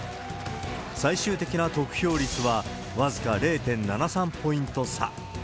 最終的な得票率は、僅か０．７３ポイント差。